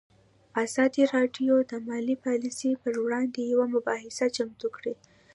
ازادي راډیو د مالي پالیسي پر وړاندې یوه مباحثه چمتو کړې.